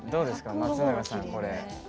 松永さん、これ。